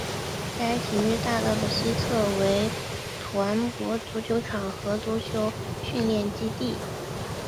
该体育大道的西侧为团泊足球场和足球训练基地。